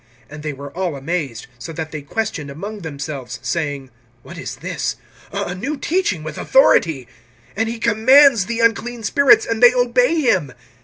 (27)And they were all amazed; so that they questioned among themselves, saying: What is this[1:27]? A new teaching, with authority! And he commands the unclean spirits, and they obey him.